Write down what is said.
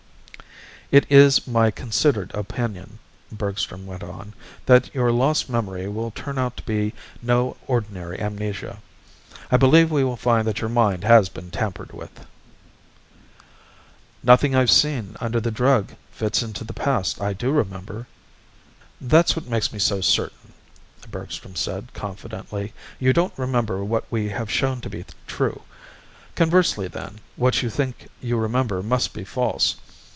"It is my considered opinion," Bergstrom went on, "that your lost memory will turn out to be no ordinary amnesia. I believe we will find that your mind has been tampered with." "Nothing I've seen under the drug fits into the past I do remember." "That's what makes me so certain," Bergstrom said confidently. "You don't remember what we have shown to be true. Conversely then, what you think you remember must be false.